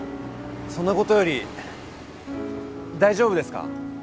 そんなことより大丈夫ですか？